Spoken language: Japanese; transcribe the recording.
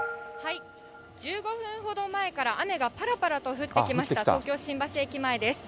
１５分ほど前から雨がぱらぱらと降ってきました、東京・新橋駅前です。